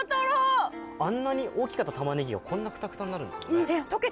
あんなに大きかった玉ねぎがこんなクタクタになるんですよね